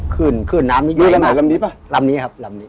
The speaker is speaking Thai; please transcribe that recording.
ขึ้นขึ้นน้ำนิดหน่อยยกเรือลำนี้ป่ะลำนี้ครับลำนี้